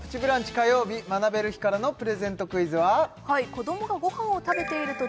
火曜日学べる日からのプレゼントクイズは？